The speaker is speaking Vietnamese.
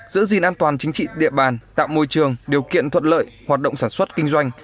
giữ gìn an toàn chính trị địa bàn tạo môi trường điều kiện thuận lợi hoạt động sản xuất kinh doanh